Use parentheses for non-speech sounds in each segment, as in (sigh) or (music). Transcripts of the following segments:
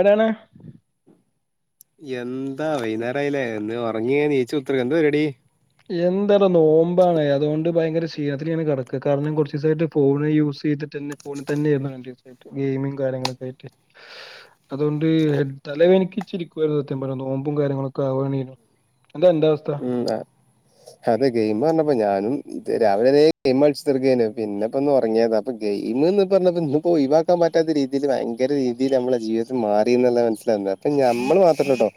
എടെണ് എന്താ വൈന്നാരായിലേ എന്ന് ഉറങ്ങി ണിച്ച് കുത്തിരിക്ക എന്താ പരിപാടി എന്താടാ നോമ്പാണ് അതോണ്ട് ഭയങ്കര ക്ഷീണത്തിലിങ്ങനെ കിടക്ക കാരണം കുറചിസായിട്ട് ഫോൺ യൂസയ്തിട്ട്ന്നെ ഫോണിൽ തന്നെയായിരുന്നു അങ്ങട് ഗെയിമും കാര്യങ്ങളൊക്ക ആയിട്ട് അതുകൊണ്ട് തലവേനിക്ക് ചിരിക്കു സത്യം പറഞ്ഞ നോമ്പും കാര്യങ്ങളൊക്കെ ആവുണു എന്ത അന്റെ അവസ്ഥ എന്താ അതെ ഗെയിം പറഞ്ഞപ്പോ ഞാനും ഇത് രാവിലരെ ഗെയിം കളിച്ചുതർക്കയ്നു പിന്നെപ്പൊ ഒന്നർങ്ങിയതാ ഇപ്പൊ ഗെയിം എന്ന് പറഞ്ഞപ്പോ ഇന്ന്പ്പോ ഒഴിവാക്കൻ പറ്റാത്ത രീതിൽ ഭയര രീതിൽ നമ്മുടെ ജീവിതം മാറി എന്ന്ള്ള മനസ്സിലാ ഇപ്പം നഞമ്മള് മാത്രല്ല ട്ടോ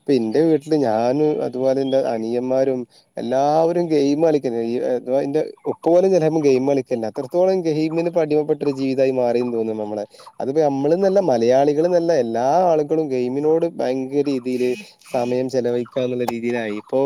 ഇപ്പന്റെ വീട്ടില് ഞാനും അതുപോലെ ഇന്റെ അനിയന്മാരും എല്ലാവരും ഗെയിം കളിക്കുന്നത് ഈന്റെ ഉപ്പ പോലും ചേലെപ്പം ഗെയിം കളിക്കില്ല അത്രത്തോളം ഗയ്മിന് പ അടിമപ്പെട്ട ഒരു ജീവിതമായി മാറിന്ന് തോന്നുന്നു നമ്മുടെ അത് പം ഞമ്മളന്നല്ല മലയാളികൾന്നല്ല എല്ലാ ആളുകളും ഗെയിമിനോട് ഭയങ്കര രീതിയില് സമയം ചെലവഴിക്കാന്നുള്ള രീതിയിലായി ഇപ്പോ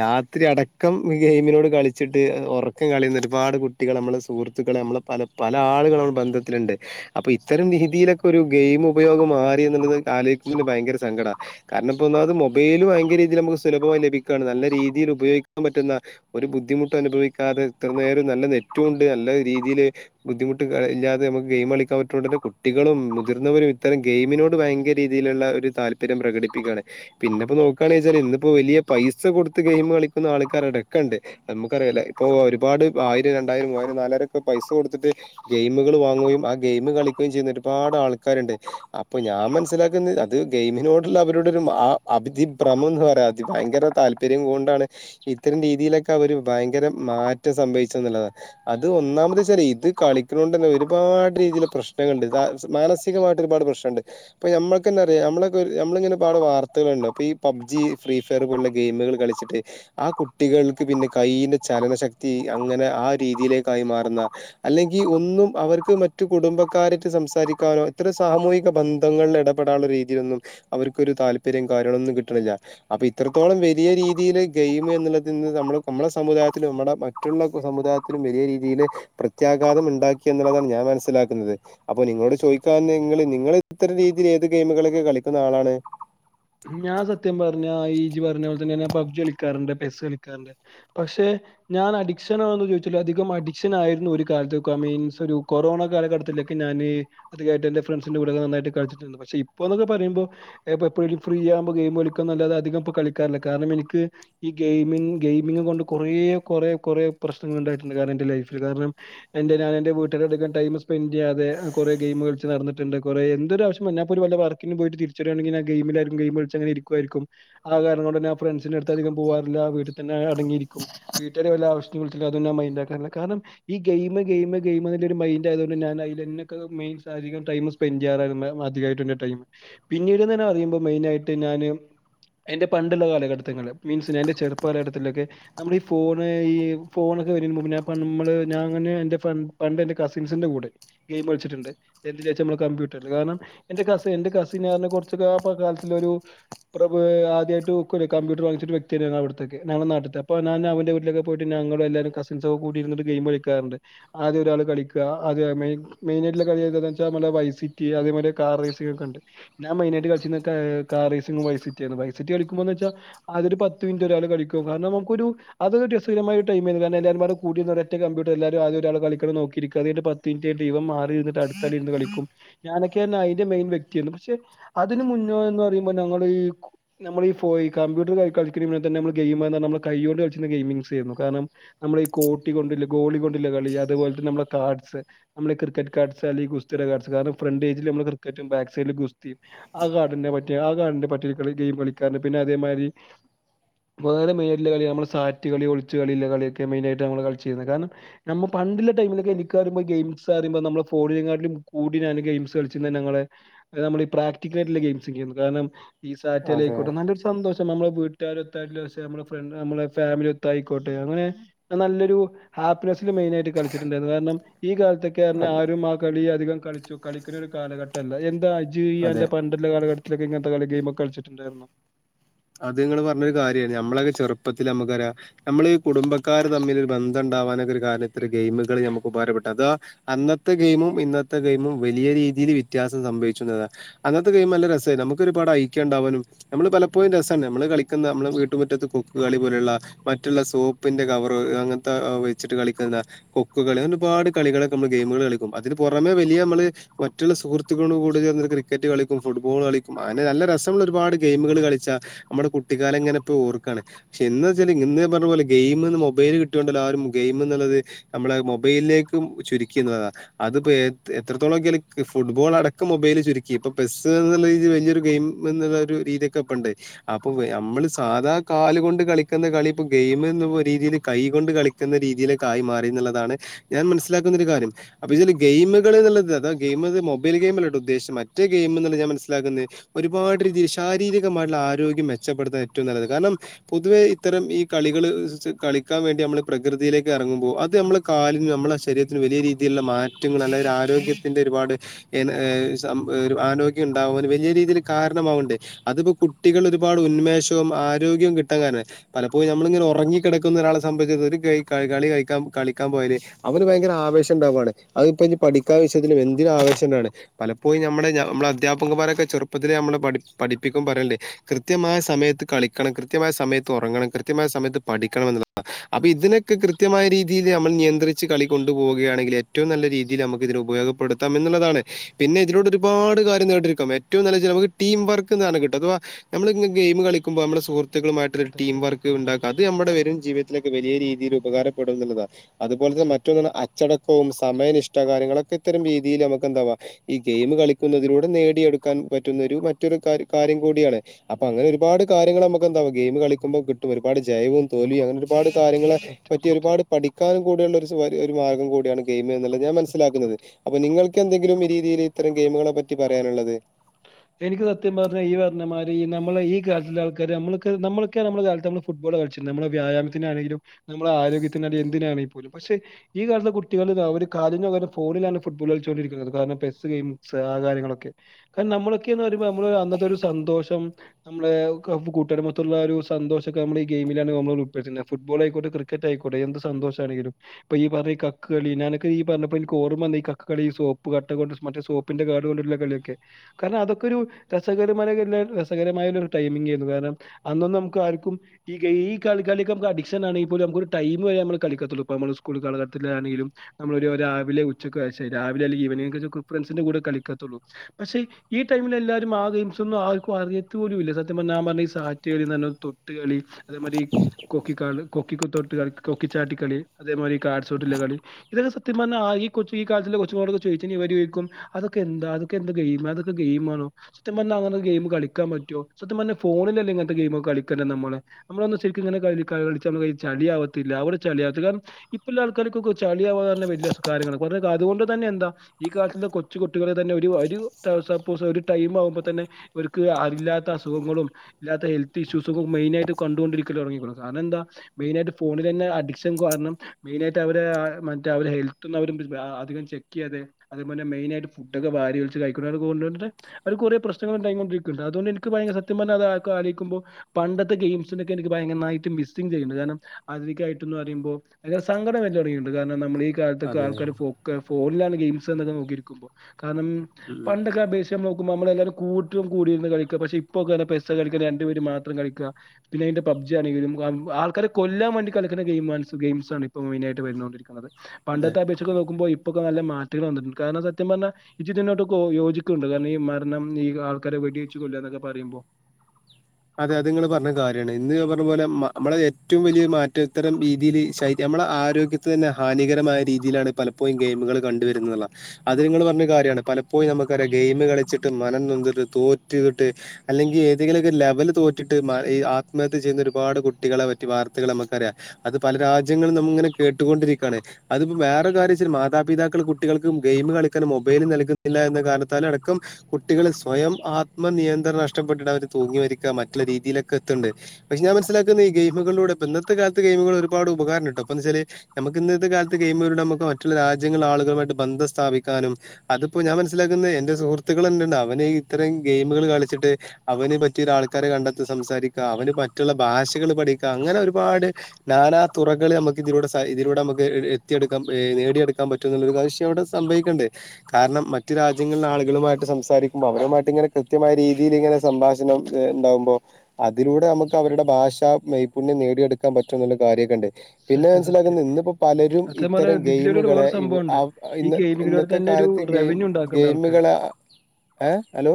രാത്രി അടക്കം ഗെയിമിനോട് കളിച്ചിട്ട് ഒറക്കം കളയുന്ന ഒരുപാട് കുട്ടികൾ നമ്മള് സുഹൃത്തുക്കൾ നമ്മളെ പല പല ആളുകള് നമ്മളെ ബന്ധത്തില്ണ്ട് അപ്പൊ ഇത്തരം രീതിയിലൊക്കെ ഒരു ഗെയിം ഉപയോഗം മാറി എന്നുള്ളത് ആലോചിക്കുമ്പ തന്നെ ഭയങ്കര സങ്കടാ കാരണം ഇപ്പോ ഒന്നാമത് മൊബൈല് ഭയങ്കര രീതിൽ നമുക്ക് സുലഭമായി ലഭിക്കാണ് നല്ല രീതിയിലുപയോഗിക്കാൻ പറ്റുന്ന ഒരു ബുദ്ധിമുട്ട് അനുഭവിക്കാതെ ഇത്ര നേരം നല്ല നെറ്റുണ്ട് നല്ല രീതിയില് ബുദ്ധിമുട്ട് ക ഇല്ലാതെ നമുക്ക് ഗെയിം കളിക്കാൻ പറ്റുടൊരു കുട്ടികളും മുതിർന്നവരും ഇത്തരം ഗെയിമിനോട് ഭയങ്കെ രീതിയിലുള്ള ഒരു താല്പര്യം പ്രകടിപ്പിക്കയാണ് പിന്നെ ഇപ്പോ നോക്കുവാണേ ജ് വരെ ഇന്നിപ്പോ വലിയ പൈസ കൊടുത്ത് ഗെയിം കളിക്കുന്ന ആൾക്കാരടക്കെണ്ട് നമുക്കറിയാല്ലേ ഇപ്പൊ ഒരുപാട് ആയിരം രണ്ടായിരം മൂവായിരം നാലായിരം ഒക്കെ പൈസ കൊടുത്തിട്ട് ഗെയിമുകൾ വാങ്ങുകയും ആ ഗെയിമ് കളിക്കുകയും ചെയ്യുന്ന ഒരുപാട് ആൾക്കാരുണ്ട് അപ്പൊ ഞാൻ മനസ്സിലാക്കുന്നിതാ അത് ഗെയിമിനോടുള്ള അവരോടൊരു ആഹ് അഭിധി ഭ്രമം എന്ന് പറയാ അതി ഭയങ്കര താല്പര്യം കൊണ്ടാണ് ഇത്തരം രീതിയിലൊക്കെ അവര് ഭയങ്കര മാറ്റം സംഭവിച്ചെന്നുള്ളതാണ് അത് ഒന്നാമത് ശരി ഇത് കളിക്കണോണ്ട് തന്നെ ഒരുപാട് രീതിയില് പ്രശ്നങ്ങളുണ്ട് ദാ സ് മാനസി മാനസികമായിട്ട് ഒരുപാട് പ്രശ്നണ്ട് ഇപ്പൊ നമ്മക്കന്നറയ നമ്മളെ നമ്മളിങ്ങനെ പാട് വാർത്തകള് കണ്ടു അപ്പോ ഈ പബ് ജി ഫ്രീ ചെറുപുള്ള ഗെയിമുകള് കളിച്ചിട്ട് ആഹ് കുട്ടികൾക്ക് പിന്നെ കൈയിന്റെ ചലനശക്തി അങ്ങനെ ആഹ് രീതിയിലേക്കായി മാറുന്ന അല്ലെങ്കി ഒന്നും അവർക്ക് മറ്റു കുടുംബക്കാരായിട്ട് സംസാരിക്കാനോ എത്ര സാമൂഹിക ബന്ധങ്ങളുടെ ഇട പെടാൻള്ള രീതിയിലൊന്നും അവർക്കൊരു താല്പര്യം കാര്യങ്ങളൊന്നും കിട്ടണില്ല അപ്പൊ ഇത്രത്തോളം വലിയ രീതിയില് ഗെയിം എന്നുള്ളതിന്ന് നമ്മള് നമ്മളെ സമുദായത്തിലും മ്മടെ മ മറ്റുള്ള സമുദായത്തിലും വലിയ രീതിയില് പ്രത്യാഘാതം ഇണ്ടാക്കി എന്നുള്ളതാണ് ഞാൻ മനസ്സിലാക്കുന്നത് അപ്പൊ നിങ്ങളോട് ചോയിക്കാ സത്യം സത്യം. നിങ്ങള് നിങ്ങള് ഇത്തരം രീതിയിൽ ഏത് ഗെയിമുകളൊക്കെ കളിക്കുന്ന ആളാണ് ഞാൻ സത്യം പറഞ്ഞ ഈ ജി പറഞ്ഞ പോലെ തന്നെ പബ്ജി കളിക്കാറുണ്ട് പെസ്സ് കളിക്കാറുണ്ട് പക്ഷെ ഞാൻ അഡിക്ഷനാണെന്ന് ചോയിച്ചില്ലെ അധികം അഡിക്ഷൻ ആയിരുന്നു ഒരു കാലത്ത് ക മീൻസ് ഒരു കൊറോണ കാലഘട്ടത്തില് ഞാന് അത് കായിട്ട് എന്റെ ഫ്രണ്ട്സിന്റെ കൂടെ നന്നായിട്ട് കളിച്ചിട്ടുണ്ട് പക്ഷെ ഇപ്പോന്നൊക്കെ പറയ്മ്പോ എപ്പപ്പഴും ഫ്രീ ആകുമ്പോ ഗെയിം കളിക്കും അല്ലാതെ അധികം പ്പൊ കളിക്കാറില്ല കാരണം എനിക്ക് ഈ ഗെയിമിംഗ് ഗെയിമിംഗ് കൊണ്ട് കൊറേ കൊറേ കൊറേ പ്രശ്നങ്ങള് ഇണ്ടായിട്ട്ണ്ട് കാരണം എന്റെ ലൈഫില് കാരണം എന്റെ ഞാനെന്റെ വീട്ടുകാരടെ എടെ ഞാൻ ടൈം സ്പെൻറ് ചെയ്യാതെ കൊറെ ഗെയിമ് കളിച്ച് നടന്നിട്ടുണ്ട് കൊറെ എന്തൊരുവശ്യന്ന് പ റഞ്ഞാ ഞാ പ്പൊരു കൊല്ലവർ ക്കിന് പോയിട്ട് തിരിച്ചുവരുവാണെങ്കിൽ ഞാൻ ഗെമിലായിരിക്കും ഗെയിമ് കളിച്ചങ്ങനെ ഇരിക്കുവായിരിക്കും ആഹ് കാരണം കൊണ്ട്ന്നെ ആഹ് ഫ്രണ്ട്സിന്റെ അടുത്ത് അധികം പോവാറില്ല വീട്ടി തന്നെ അടങ്ങിയിരിക്കും വീട്ട്കാര് വല്ല ആവശ്യത്തിനു വിളിച്ചലും അതും ഞാൻ മൈന്റാക്കാറില്ല കാരണം ഈ ഗെയിമ് ഗെയിമ് ഗെയിമ് അതിന്റെ ഒരു മൈൻഡായതുകൊണ്ട് ഞാൻ അയിലന്നെക്കെ മെയിൻസ് അധികം ടൈമ് സ് പെൻഡ് ചെയ്യാറാരുമേ അധികയിട്ടൊണ്ട് ടൈമ് പിന്നീട് തന്നെ അറിയുമ്പോ മെയിനായിട്ട് ഞാന് എൻ്റെ പണ്ടുള്ള കാലഘട്ടത്തിങ്ങള് മീൻസ് എൻ്റെ ചെറുപ്പ കാലഘട്ടത്തിലൊക്കെ നമ്മളി ഫോണ് ഈ ഫോണൊക്കെ വരും മുന്നെ പ മ്മള് ഞാങ്ങനെ എന്റെ പണ്ട് എന്റെ കസിൻസിന്റെ കൂടെ ഗെയിമ് കളിച്ചിട്ടുണ്ട് എന്ത് ചോയിച്ചാ നമ്മള് കമ്പ്യൂട്ടറില് കാരണം എന്റെ കസ് എന്റെ കസിന് പ റഞ്ഞാ കൊറച്ചൊക്കെ ആഹ് ഇപ്പ കാലത്തിലൊരു പ്രഭു ആദ്യായിട്ട് വെക്കൂലെ കമ്പ്യൂട്ടർ വാങ്ങിച്ചൊരു വ്യക്തിയാണ് ഞങ്ങളെ അവടുത്തക്കെ ഞങ്ങളെ നാട്ട്ത്തെ അപ്പോ ഞാൻ അവന്റെ വീട്ടിലൊക്കെ പോയിട്ട് ഞങ്ങളും എല്ലാരും കസിൻസോക്കെ കൂടിയിരുന്നിട്ട് ഗെയിമ് കളിക്കാറുണ്ട് ആദ്യം ഒരാൾ കളിക്ക ആദ്യം മെയിൻ മെയിനായിട്ടുള്ള കളി എതാന്നു വെച്ചാ മ്മളെ വൈസിറ്റി അതേപോലെ കാർ റേസിങ് ഒക്കെണ്ട് ഞാൻ മെയിനായിട്ട് കളിച്ചിന്നൊക്കെ കാർ റേസിങ് വൈസിറ്റിയാരുന്നു വൈസിറ്റി കളിക്കുമ്പോന്ന് വെച്ചാ അതൊരു പത്ത് മിൻറ്റ് ഒരാള് കളിക്കും കാരണം നമുക്കൊരു അതൊരു രസകരമായ ഒരു ടൈമായിരുന്നു കാരണം എല്ലാരും മാരൂടെ കൂടി ഒരു ഒറ്റ കമ്പ്യൂട്ടർ എല്ലാരും ആദ്യം ഒരാൾ കളിക്കണ നോക്കിയിരിക്കും അതു കഴിഞ്ഞിട്ട് പ തിറ്റേട്ടിവൻ മാറിയിരുന്നിട്ട് അടുത്താളിരുന്നു കളിക്കും ഞാനൊക്കെയായിരുന്നു അയിന്റെ മെയിൻ വ്യക്തിയാരുന്നു പക്ഷെ അ തിനു മുന്നോ എന്ന് പറയുമ്പോ ഞങ്ങള് ഈ കു നമ്മളീ ഫോ ഈ കമ്പ്യൂട്ടറ് കഴി കളിക്കണ ടീമിനെ തന്നെ നമ്മള് ഗെയിമ് റഞ്ഞ നമ്മള് കൈണ്ട് കളിച്ചിരുന്ന ഗെയിമിങ്ങ്സെരുന്നു കാരണം നമ്മളീ കോട്ടി കൊണ്ടില്ലെ ഗോളി കൊണ്ടില്ലെ കളി അതുപോലെ തന്നെ മ്മളെ കാഡ്സ് നമ്മളീ ക്രിക്കറ്റ് കാഡ്സ് അല്ലെ ഈ ഗുസ്തിയുടെ കാഡ്സ് കാരണം ഫ്രണ്ട് ഏജിൽ മ്മള് ക്രിക്കറ്റും ബാക്ക് സൈഡിൽ ഗുസ്തിയും ആ കാർഡിന്റെ പറ്റി ആ കാർഡിന്റെ പറ്റിയിരിക്കണ ഗെയിം കളിക്കാറ്ണ്ട് പിന്നെ അതേമാരി വെറെ മെയിനായിട്ടിള്ള കളി നമ്മളെ സാറ്റ് കളി ഒളിച്ച് കളില്ലെ കളിയൊക്കെ മെയിനായിട്ട് നമ്മള് കളിച്ചിരുന്നേ കാരണം നമ്മള് പണ്ട്ല്ല ടൈമിലൊക്കെ എനിക്കറിയുമ്പൊ ഗെയിംസ് അറിമ്പൊ നമ്മള് ഫോണിലെ ക്കാട്ട്ലും കൂടിഞാന് ഗെയിംമ്സ് കളിച്ചീന്ന ഞങ്ങള് നമ്മള് ഈ പ്രാക്ടിക്കലായിട്ട്ള്ള ഗെയിംസൊക്കെർന്നു കാരണം ഈ സാറ്റളി അതെ ആയ്കോട്ടെ നല്ല സന്തോഷം നമ്മള വീട്ടാര് ഒത്തായിട്ട്ള്ള പഷെ നമ്മളെ ഫ്രണ്ട് നമ്മളെ ഫാമിലി ഒത്തായിക്കോട്ടെ അങ്ങനെ അയ് നല്ലൊരു ഹാപ്പിനസ്സില് മെയിനാ ആയിട്ട് കളിച്ചിട്ട്ണ്ടായിരുന്നു കാരണം ഈ കാല്ത്തെ ആരും ആഹ് കളി അധികം കളിച്ച് കളിക്ക്ണ ഒരു കാലഘട്ട അല്ല എന്താ ഇജ് എ അതെ പണ്ട്ള്ള കാലഘട്ടത്തിലൊക്കെ ഇങ്ങൻത്തെകളി ഗെയിമൊക്കെ കളിച്ചിട്ട്ണ്ടായിരുന്നോ അത് ഇങ്ങള് പറഞ്ഞത് കാര്യാണ് നമ്മളൊക്ക ചെറ്പ്പത്തില് ഞമ്മക്കറിയാം നമ്മളീ ഈ കുടുംബക്കാര് തമ്മിലൊര് ബന്ധണ്ടാവാനൊക്ക ഒര് കാര്ണത്തില് ഗെയിമ്കള് നമ്മക്ക് ഉപകാരപ്പെട്ട ഇതാ അന്നത്തെ ഗെയിമും ഇന്നത്തെ ഗെയിമും വലിയ രീതിയില് വ്യത്യാസം സംഭവിച്ചു ഇന്ന്ള്ളത അന്നത്തെ ഗെയിം നല്ല രസെരുന്നു നമ്മക്ക് ഒരുപാട് അയ്ക്കുണ്ടാവാനും നമ്മള് പല ഇപ്പഴും രസ്സണ് ഞമ്മള് കളിക്ക്ന്ന ഞമ്മളെ വീട്ട്മുറ്റത്ത് കൊക്ക് കളി പോലുള്ള മറ്റുള്ള സോപ്പിന്റെ കവറ് അങ്ങൻത്തെ വെച്ച്ട്ട് കളിക്ക്ന്ന കൊക്ക് കളി അങ്ങനെ ഒരുപാട് കളിളൊക്കെ ഞമ്മള് ഗെയിമ്കള് കളിക്കും. അതിന് പൊറമെ വലിയ ഞമ്മള് മറ്റുള്ള സുഹൃത്തുക്കളോട് കൂടെ ചേർന്ന് ക്രിക്കറ്റ് കളിക്കും ഫുട്ബോള് കളിക്കും അങ്ങനെനല്ല രസള്ള ഒരുപാട് ഗെയിമ്കള് കളി ച്ച നമ്മുടെ കുട്ടിക്കാലം ഇങ്ങനെപ്പോ ഓർക്കയാണ് പക്ഷെ ഇന്ന് വെച്ചാല് ഇന്ന് പറഞ്ഞ പോലെ ഗെയിമ്ന്ന് മൊബൈല് കിട്ടോണ്ട് ആരും ഗെയിമ് ന്ന്ള്ളത് നമ്മളെ മൊബൈൽലേക്കും ചുരുക്കി എന്നത അത്പ്പോ എത് എത്രത്തോളം എൻകെലിക്ക് ഫുട്ബോള അടക്കം മൊബൈല് ചുരുക്കി ഇപ്പ പെസ്സ്ന്ന്ള്ള രീതില് വല്യൊരു ഗെയിമ് വന്ന്ള്ള ഒരു രീതിഒക്ക ഇപ്പണ്ട് അപ്പൊ ഞമ്മള് സാധാ കാല് കൊണ്ട് കളിക്ക്ന്ന കളി ഇപ്പൊ ഗെയിമ്ന്നാ രീതിയില് കൈ കൊണ്ട് കളി ക്ക്ന്ന രീതിയിലേകായി മാറി ന്ന്ള്ളതാണ് ഞാൻ മനസ്സിലാക്ക്ന്ന ഒര് കാര്യം അപൊ ഇതില് ഗെയിമ്കള് ന്ന്ള്ളത് അത ഗെയിമ് അത് മൊബൈൽ ഗെയിമല്ലട്ടൊ ഉദ്ദേശിച്ചെ മറ്റെ ഗെയിമ് ന്ന്ള്ള ഞാൻ മനസ്സിലാക്ക്ന്നെ ഒരുപാട് രീതില് ശാരീരികമായിട്ട്ള ആരോഗ്യം മെച്ചപ്പെടുത്താൻ ഏറ്റവും നല്ലത കാരണം പൊതുവെ ഇത്തരം ഈ കളികള് ഇച്ച് കളിക്കാൻ വേണ്ടി ഞമ്മള് പ്രകൃതിയിലേക്ക് എറങ്ങുമ്പൊ അത് ഞമ്മള് കാല്ന് നമ്മളെ ശരീരത്തിന് വലിയ രീതിയില്ള്ള മാറ്റങ്ങള് നല്ല ഒരു ആരോഗ്യത്തിൻ്റെ ഒരുപാട് എന്ന് ഏഹ് സം ഒരു ആരോഗ്യ ഇണ്ടാവാൻ വല്യ രീതില് കാരണമാവ്ണ്ട് അതിപൊ കു ട്ടികള് ഒരുപാട് ഉന്മേഷം ആരോഗ്യം കിട്ടാൻ കാരണം പലപ്പോഴും ഞമ്മളിങ്ങനെ ഒറങ്ങി കെടക്ക്ന്ന ഒരാളെ സംബന്ധിച്ച് ഒര് കയ് കളി കഴിക്ക കളിക്കാൻ പോയാല് അവന് ഭയങ്കര ആവേശ ഇണ്ടാവാണ് അത്പ്പ ഇനി പഠിക്ക വിഷയത്തിലും എന്തിനു ആവേശ ഇണ്ടാണ് പലപ്പോഴും ഞമ്മടെ ഞമ്മള അധ്യാപകമാരൊക്കെ ചെറുപ്പത്തില് ഞമ്മളെ പഠി പഠപ്പിക്കും പറയണ്ട് കൃത്യമായ സമയത്ത് കളിക്കണം കൃത്യമായ സമയത്ത് ഒറങ്ങണം കൃത്യമായ സമയത്ത് പഠിക്കണം എന്നാ ണ് അപ്പൊ ഇതിനൊക്കെ കൃത്യമായ രീതിയില് ഞമ്മൾ നിയന്ത്രിച്ച് കളി കൊണ്ട് പോകയാണെങ്കില് ഏ റ്റവും നല്ല രീതില് ഞമ്മക്ക് ഇതിനെ ഉപയോഗപ്പെടുത്താം എന്ന്ള്ളതാണ് പിന്നെ ഇതിനോട് ഒരുപാട് കാര്യം നേടിക്കാം ഏറ്റവും നല്ലച്ച നമുക്ക് ടിംവർക്ക്ന്നാണ് കിട്ട അഥവ ഞമ്മള് ഇങ് ഗെയിമ് കളിക്കുമ്പോ ഞമ്മളെ സുഹൃത്തുളുമായിട്ടൊര് അതെ ടീമ് അതെ വർക്ക് ഇണ്ടാക്ക ഉം അത് നമ്മടെ വരും ജീവി ത്തിലൊക്കെ വലിയ രീതില് ഉപകാരപ്പെടുന്ന്ള്ളത അത്പോലതെ സത്യം. മറ്റൊന്ന് അച്ചട കോം സമയനിഷ്ട കാര്യങ്ങളൊക്ക ഇത്തരം രീതില് ഞമക്ക് എന്താവ ഈ ഗെയിമ് കളിക്കുന്നതിലൂടെ നേടിയെടുക്കാൻ പറ്റുന്ന ഒരു മറ്റൊരു കാര്യം കൂടിയാണ് അപ്പൊ അങ്ങനെ ഒരുപാട് കാര്യങ്ങള് ഞമ്മക്കെന്തവും ഗെയിമ് കളിക്കുമ്പൊ കിട്ടും ഒരുപാട് ജയവും തോൽവി അങ്ങനൊരു ഒരുപാട് കാര്യങ്ങളെ സത്യം പറ്റി സത്യം ഒരുപാട് പഠിക്കാനും കൂടിഉള്ളൊരുസു ഒര് ഒര് മാർഗം കൂടിയാണ് ഗെയിമ്ന്ന്ള്ളത് ഉം ഞാൻ സത്യം സത്യം മനസ്സിലാക്ക്ന്നത് അപ്പൊ നിങ്ങൾക്ക് എന്തെങ്കിലും രീതിയില് ഇത്തരം ഗെയിമുകളെ പറ്റി പറയാന്ള്ളത് എനിക്ക് സത്യം പറ്ഞ്ഞ ഈ പറഞ്ഞമാരി നമ്മള് ഈ കാല്ത്തില്ള്ള ആൾക്കാര് നമ്മളൊക്കെ നമ്മളൊക്കെ നമ്മളെ കാല്ത്ത് നമ്മൾ ഫുട്ബോള് കൾച്ചീന്നു നമ്മളെ വ്യായാമത്തിനാണെങ്കിലും നമ്മളെ ആരോഗ്യത്തിനാണെ എന്തിനാണെ പോലും പക്ഷേ ഈ കാലത്തെ കുട്ടികള് അവര് കാലിന് പകരം ഫോണിലാണ് ഫുട്ബോള് കളിച്ചോണ്ടിരിക്ക്ന്നത് കാരണം റ്റെസ്സ് ഗെയിമ് സാ കാര്യങ്ങളൊക്കെ കാരണം നമ്മളൊക്കേന്ന് പറയുമ്പൊ ഞമ്മളെ അന്നത്തെ ഒര് സന്തോഷം നമ്മളെ കൊ അപ് കൂട്ടീളെ മോത്ത് എന്നാലു സന്തോഷക്കെ നമ്മള് ഈ ഗെയിമിലാണ് ഞമ്മള് ഉൾപ്പെട്ത്തീന്ന് ഫുട്ബോള് അയ്ക്കോട്ടെ ക്രി ക്രിക്കറ്റായ്ക്കോട്ടെ എന്ത് സന്തോഷാണി ഈ ഒര് ഇപ്പൊ ഇയ്യ് പറ്ഞ്ഞ കക്ക്കളി ഞാനൊക്ക ഇയ്യ് പറഞ്ഞപ്പൊ ഇനിക്ക് ഓർമ വന്നു ഈ കക്ക് കളി സോപ്പ് കട്ട കൊണ്ട് മറ്റെ സോ പ്പിന്റെ കാട് കൊണ്ട്ള്ള കളിഓക്കെ കാരണം അതൊ ക്കൊരു രസകരമാലകില്ലേ രസകരമായ ഒര് ടൈമിംഗേര്ന്നു കാരണം അന്നൊന്നും ഞമക്ക് ആര്ക്കും ഈ ഗയ്യ് ഈ കളി കളി ഒക്കെ ഇപ്പ അഡിക്ഷൻ ആണെങ്കി പോലും നമുക്ക് ഒരു ടൈം വരെ നമ്മള് കളിക്കതൊള്ളൂ ഇപ്പ നമ്മള് സ്കൂൾ കാലഘട്ടത്തില് ആണെങ്കിലും നമ്മള് ഒരു രാവിലെ ഉച്ചക്ക് ഇശേ രാവിലെ അല്ലെങ്കി ഇവനിംഗ് ഒക്കെ കൊ ഫ്രണ്ട്സിന്റെ കൂടെ കളിക്കത്തുള്ളൂ പക്ഷെ ഈ ടൈമില് എല്ലാരും ആ ഗെയിംസ് ഒന്നും ആർക്കും അറിയത്ത് പോലുഇല്ല സത്യം പറഞ്ഞ പറഞ്ഞ ഈ സാറ്റ് കളി എന്ന് പറഞ്ഞ തൊട്ട് കളി അതേമാരി കൊക്കി കാട് കൊക്കികൊ തോട്ട് കളി കൊക്കി ചാട്ടിക്കളി അതേമാരി കാട്സോട്ടിലെ കളി ഇതിൽ സത്യം പറഞ്ഞാൽ ആര് ഈ കൊച്ചി കാര്യത്തിലെ കൊച്ച് മോളോട് ഒക്കെ ചോദിച്ചു കഴിഞ്ഞാൽ ഇവര് ചോദിക്കും അത് ഒക്കെ എന്താ അത് ഒക്കെ എന്ത്‌ ഗെയിമ അത് ഇത് ഗെയിമാണോ സത്യം പറന്ന അങ്ങനെ ഗെയിം കളിക്കാൻ പറ്റുവോ സത്യം പന്ന ഫോണിലല്ലേ ഇങ്ങനത്തെ ഗെയിം കളിക്കണേ നമ്മള് നമ്മള് ഒന്ന് ശരിക്കും ഇങ്ങനെ കളിക്കായ കളിച്ചാലും അയില് ചളിയാവത്തില്ല അവര് ചളിയ അത് കാരണം ഇപ്പുള്ള ആൾക്കാര് ഒക്കെ ചളിയാവാറഞ്ഞ വെല്യ സു കാര്യങ്ങങ്ങള് കുറെക്കേ അതു കൊണ്ട് തന്നെ എന്താ ഈ കാലത് കൊച്ചു കുട്ടികള് തന്നെ ഒരു ഒരു സപ്പോസ് ഒരു ടൈം ആവുമ്പ തന്നെ ഇവറിക്ക് ആ ഇല്ലാത്ത അസുഖങ്ങളും ഇല്ലാത്ത ഹെൽത്ത് ഇഷ്യൂസുക്കും മെയിൻ ആയിട്ട് കണ്ടു കൊണ്ട് ഇരിക്കല് തൊടങ്ങിക്കണു സാധനം എന്താ മെയിന് ആയിട്ട് ഫോണിലന്നെ അഡിക്ഷൻ കാരണം മെയിന് ആയിട്ട് അവര് ആ മറ്റേ അവര് ഹെൽത്തുന്ന് അവരും അധികം ചെക്ക് ചെയ്യാതെ അതേപോലെ മെയിൻ ആയിട്ട് ഫുഡൊക്കെ വാരി വലിച്ച് കഴിക്കുന്നത് കൊണ്ടിട്ട് അവര് കൊറെ പ്രശ്നങ്ങള് ഉണ്ടായി കൊണ്ടിരിക്കണ്ട് അത് കൊണ്ട് എനിക്ക് ഭയങ്കര സത്യം പറന്ന അത് ഒക്കെ ആലയിക്കുമ്പോ പണ്ടത്തെ ഗെയിംസിന് ഒക്കെ എനിക്ക് ഭയങ്കര്നായിട്ട് മിസ്സിംഗ് ചെയ്യ്ണ്ട് കാരണം അതികായിട്ട്ന്ന് പറയുമ്പോ അയിലേറെ സങ്കടം വെര്ലൊട്‌ ങ്ങീണ്ട് കാരണം നമ്മള് ഈ ക്കാല്ത്തൊക്കെ ആൾക്കാര് ഫോക്ക് ഫോണിലാണ് ഗെയിംസ് എന്നത് നോക്കിയിരിക്കുമ്പം കാരണം പണ്ട് ഒക്കെ അപേഷ് റ്റിയം നോക്കുമ്പോ അമ്മള് എല്ലാരും കൂട്ടം കൂടിയിരിന്ന് കളിക്ക പക്ഷെ ഇപ്പൊക്കെറ്ഞ്ഞ പെസ്സൊക്കെ കളിക്കൻ രണ്ടു പേര് മാത്രം കളിക്കാ പിന്നെ അയിന്റെ പബ്ജി ആണെങ്കിലും ആൾകാരെ കൊല്ലാൻ വേണ്ടി കളിക്കണ ഗെയിംമൺസ് ഗെയിസാണ് ഇപ്പ മെയിന് ആയിട്ട് വരുന്നോണ്ടിരിക്കുന്നത് അതെ പണ്ടത്തെ അപേഷിച്ച് ഒക്കെ നോക്കുമ്പോ ഇപ്പൊക്കെ നല്ല മാറ്റങ്ങള് വന്നിണ്ട് കാരണം സത്യം പറഞ്ഞാൽ ഇജ്ജ് ഇതിനോട്ട് ക്കോ യോജിക്ക്‌ണ്ടോ കാരണം ഈ മരണം ഈ ആൾക്കാരെ വെടി വെച്ചു കൊല്ലാന്നൊക്കെ പറയുമ്പോ അതെ അത് നിങ്ങള് പറഞ്ഞഹ് കാര്യാണ് ഇന്ന് ഇ പറഞ്ഞപോലെ മ അമ്മളെ ഏറ്റവും വലിയ മാറ്റത്തരം രീതിയില് സൈ ഞമ്മളെ ആരോഗ്യത്ത് തന്നെ ഹാനികരമായ രീതിയിലാണ് പലപ്പോഴും ഗെയിമുകള് കണ്ടുവര്ന്ന് ന്ന്ള്ള അത് നിങ്ങള് പറഞ്ഞഹ് കാര്യാണ് പലപ്പോഴും നമുക്ക് അറിയാ ഗെയിം കളിച്ചിട്ട് മനം നൊന്തിട്ട് തോറ്റിട്ട് അല്ലെങ്കി ഏതെങ്കിലും ഒക്കെ ഒരു ലാ വെല് തോറ്റിട്ട് മാ ഈ ആത്മഹത്യ ചെയ്യുന്ന ഒരുപാട് കുട്ടികളെ പറ്റി വാർത്തകള് അമ്മക്കറ്യ അത് പല രാജ്യങ്ങളും നമ്മ ഇങ്ങനെ കേട്ട് കൊണ്ട് ഇരിക്കാണ് അത് ഇതിപ്പോ വേറെ ഒരു കാര്യച്ചാല് മാതാപിതാക്കള് കുട്ടികൾക്ക് ഗെയിം കളിക്കാന് മൊബൈല് നൽകുന്നില്ല എന്ന കാരണത്താല് അടക്കം കുട്ടികള് സ്വയം ആത്മനിയന്ത്രണം നഷ്ടപ്പെട്ടിട്ട് അവര് തൂങ്ങി മരിക്കാ മറ്റ്ള്ള രീതിയിലെക്കെത്ത്ണ്ട് പശ്ശെ ഞാൻ മനസിലാക്കുന്ന് ഈ ഗെയിമ്കളിലൂടെ പ്പന്നത്തെ കാലത്ത് ഗെയിമുകൾ ഒരുപാട് ഉപകാരം ണ്ട്ട്ടോ അഹ് പ്പൊ ന്താച്ചാല് നമുക്ക് ഇന്ന് ത്തെ കാലത്ത് ഗെയിമില് (unintelligible) നമുക്ക് മറ്റുള്ള രാജ്യങ്ങളിലെ ആളുകളുമായിട്ട് ബന്ധം സ്ഥാപിക്കാനും അതിപ്പോ ഞാൻ മനസ്സിലാക്കുന്നേ എന്റെ സുഹൃത്തുക്കളെന്നെണ്ട് അവന് ഇത്തരം ഗെയിമുകള് കളിച്ചിട്ട് അവന് പറ്റ റ്റ്യൊരു ആൾക്കാരെ കണ്ടെത്തി സംസാരിക്ക അവന് മറ്റുള്ള ഭാഷകള് പഠിക്ക അങ്ങനെ ഒരുപാട് നാനാ തുറകള് അമ്മക്ക് ഇതിലൂടെ സ ഇതിലൂടെ അമ്മക്ക് ഏ എത്തി എടുക്കാം നേടി എടുക്കാൻ പറ്റ റ്റുന്ന്ള്ള ഒരു കാ (unintelligible) ശ്യം അവ്ടെ സംഭവിക്ക്‌ണ്ട് കാരണം മറ്റ് രാജ്യങ്ങളിലെ ആളുകളുമായിട്ട് സംസാരിക്കുമ്പോ അവരുമായിട്ട് ഇങ്ങനെ കൃത്യമായ രീതിയിൽ ഇങ്ങനെ സംഭാഷ ജ്നംഏഹ് ഇണ്ടാവുമ്പോ അതിലൂടെ അമ്മക്ക് അവരുടെ ഭാഷ നൈപുണ്യം നേടിയെടുക്കാൻ പറ്റും എന്നുള്ള കാര്യക്കെണ്ട് പിന്നെ സത്യം ഞന് സത്യം സ്സിലാക്കുന്നു ഇന്നിപ്പോ പലരും അത് ഞാൻ പറഞ്ഞ ഇത്തരം ഇതിലൂടെ ഗെയിമുകളെ വേറെ ഇവ് സംഭവമുണ്ട് അവ് ഈ ഇന്നത് ഇന്നത് ഗെയിമിങ്ങിലൂടെ ത്തെ തന്നെ ഒരു കാലത്ത് ഗെയിം റവന്യൂ ഉണ്ടാക്കേണ്ട ആൾക്കാർ ഗെയിമ്കളെ ഏ ഹലോ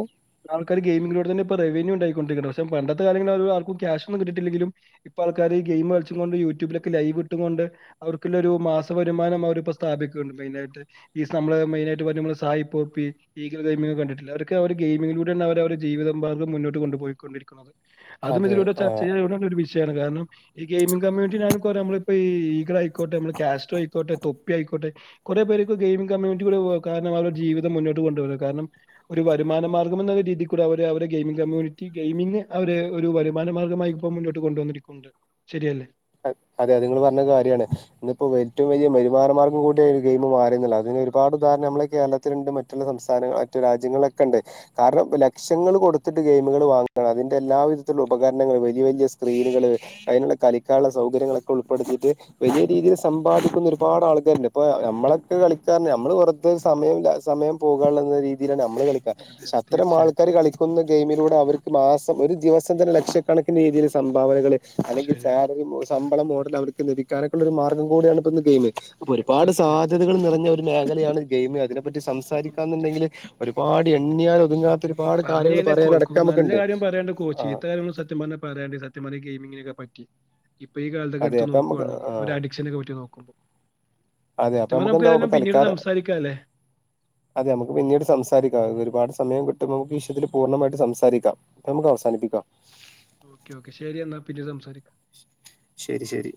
ആൾക്കാര് ഗെയിമിങ്ങിലൂടെ തന്നെ ഇപ്പോ റവന്യൂ ഉണ്ടാക്കി കൊണ്ട് ഇരിക്ക്‌ണ്ട് പക്ഷേ പണ്ടത്തെ കാലങ്ങളിലെ ഒള്ള ആർക്കും ക്യാഷ് ഒന്നും കിട്ടിയിട്ട് ഇല്ലെങ്കിലും ഇപ്പ ആൾക്കാര് ഈ ഗെയിം കൾച്ചുംകൊണ്ട് യൂട്യൂബിലൊ ക്ക് ലൈവ് ഇട്ട്ങ്ങൊണ്ട് അവർക്ക് ഒള്ള ഒരു മാസ വരുമാനമവര് പ്പൊ സ്ഥാപിക്ക്‌ണ്ട് മെയിന് ആായിട്ട് ഈസ് നമ്മള് മെയിന് ആയിട്ട് പറയുമ്പോ നമ്മള് സായിപ്പോപ്പി ഈഗള് ഗെയിമിനെകെ കണ്ടിട്ടില്ലെ അവരൊക്കെ ആ ഒരു ഗെയിമിങ്ങിലൂടെണ് അവര് അവരുടെ ജീവിത മാർഗം മുന്നോട്ട് കൊണ്ടു പോയി കൊണ്ട് ഇരിക്കുന്നത് അതും അതെ ഇതിലൂടെ ആ ചർച്ച ചെയ്യണ (unintelligible) ഒരു വിഷയാണ് കാരണം ഈ ഗെയിമിംഗ് കമ്മ്യൂണിറ്റി ഞാനും ഇപ്പ നമ്മള് ഇപ്പ ഈഗള് ആയിക്കോട്ടെ നമ്മള് കാസ്ട്രോ ആയിക്കോട്ടേ തൊപ്പി ആയിക്കോട്ടെ കുറെ പേർ ഇപ്പൊ ഗെയിമിങ് കമ്മ്യൂണിറ്റികൂടെ പോ കാരണം അവരുടെ ജീവിതം മുന്നോട്ട് കൊണ്ടുപോകാൻ കാരണം ഒരു വരുമാന മാർഗം എന്ന രീതികൂടെ അവര് അവരുടെ ഗെയിം കമ്മൂണിറ്റി ഗെയിമിംഗ് അവര് ഒരു വരുമാനമാർഗമായി ഇപ്പൊ മുന്നോട്ട് കൊണ്ട് വന്നിരിക്കുന്നുണ്ട് ശരിയല്ലേ അ അതെ നിങ്ങൾ പറഞ്ഞത് കാര്യാണ് ഇന്നിപ്പോ ഏറ്റവും വലിയ വരുമാന മാർഗ്ഗംകൂടിയായി ഈ ഒര് ഗെയിം മാറി എന്നുള്ളതാണ് അതിന് ഒരുപാട് ദാഹരണം നമ്മെ ഈ കേരളത്തി ത്തില് ണ്ട് മറ്റുള്ള സംസ്ഥാനങ്ങൾ മറ്റു രാജ്യങ്ങളിലൊക്കെണ്ടേയ് കാരണം ലക്ഷങ്ങൾ കൊടുത്തിട്ട് ഗെയിമുകൾ വാങ്ങാണ് അതിന്റെ എല്ലാവിധത്തിലുള്ള ഉപകരണങ്ങള് വലിയ വലിയ സ്ക്രീനുകള് അയ്ന്ള്ള കളിക്കാൻ ള്ളെ സൗകര്യങ്ങളൊക്കെ ഉൾപ്പെടുത്തിയിട്ട് വലിയ രീതിയിൽ സമ്പാദിക്കുന്ന ഒരുപാട് ആൾക്കാരുണ്ട് ഇപ്പ നമ്മളൊക്കെ കളിക്കാന്ന് പറഞ്ഞാൽ നമ്മള് വെർ തെ സമയം സമയം പോകാനുള്ളന്നെ രീതിയിലാണ് നമ്മള് ഉം, കളിക്കാ അതെ പക്ഷെ അതെ അത്തരം തീർച്ചയായും ആൾക്കാര് കളി ക്കുന്ന ഗെയിമിലൂടെ അവർക്ക് മാസം ഒരു ദിവസം തന്നെ ലക്ഷക്കണക്കിന് രീതിയിൽ സംഭാവനകള് ഉം, അല്ലെങ്കിൽ ശരി അത (unintelligible) ശമ്പളം മോഡല് അവര്ക്ക് ലഭിക്കാനൊക്കെള്ള ഒരു മാർഗം കൂടിയാണ് ഇപ്പൊ ഗെയിം ഒരുപാട് സത്യം സാധ്യതകൾ നിറഞ്ഞ ഒരു മേഖലയാണ് ഗെയിം അതിനെപ്പറ്റി ഉം, സംസാരിക്കാന്നുണ്ടെങ്കില് ഒരുപാട് എണ്ണിയാൽ ഒതുങ്ങാത്ത സത്യം ഒരുപാട് പറഞ്ഞു കാര്യങ്ങൾ കഴിഞ്ഞാൽ പറയാൻ അടക്കം നല്ല നമുക്കുണ്ട് ആഹ് പറെണ്ടെ സ (unintelligible) ത്യം പറഞ്ഞ ഈ ഗെയിമിങ്ങിനൊക്കെ പറ്റി ഇപ്പൊ ഈ കാലത്ത് ഒക്കെ അതെ ഇട്‌ത്ത് അപ്പൊ നമുക്ക് നോക്കുവാണെങ്കിൽ ആ അവര് അഡിക്ഷനെക്കെ പറ്റി നോക്കുമ്പോ അതെ സത്യ അപ്പൊ പറഞ്ഞാൽ നമുക്ക് എന്താ ഏതായാലും ഇപ്പൊ പിന്നീട് തൽക്കാലം സംസാരിക്കാല്ലേ അതെ നമുക്ക് പിന്നീട് സംസാരിക്കാം ഒരുപാട് സമയം കിട്ടുമ്പോൾ നമുക്ക് ഈവിഷയത്തിൽ പൂർണ്ണമായിട്ട് സംസാരിക്കാം നമുക്ക് അവസാനിപ്പിക്കാം ഓക്കെ ഓക്കെ ശരി എന്നാൽ പിന്നെ സംസാരിക്കാം ശരി ശരി